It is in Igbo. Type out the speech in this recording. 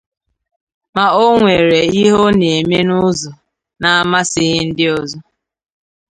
Ma o nwere ihe ọ na-eme n'ụzọ na-amasịghi ndị ọzọ.